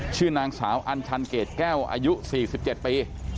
ชื่อนางสาวอัญชันเกจแก้วอายุสี่สิบเจ็ดปี